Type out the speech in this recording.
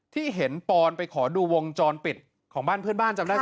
ที่เห็นปอนไปขอดูวงจรปิดของบ้านเพื่อนบ้านจำได้ไหม